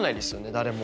誰も。